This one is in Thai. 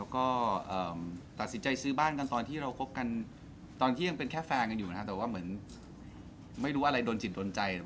ก็ตัดสินใจซื้อบ้านกันตอนที่เราคบกันตอนที่ยังเป็นแค่แฟนกันอยู่นะครับแต่ว่าเหมือนไม่รู้อะไรโดนจิตโดนใจ